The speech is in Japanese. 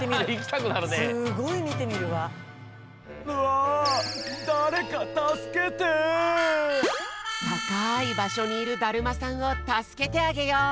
たかいばしょにいるだるまさんをたすけてあげよう！